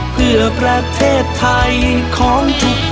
เพื่อประเทศไทยของทุกคน